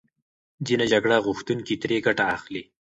ځینې جګړه غوښتونکي ترې ګټه اخلي.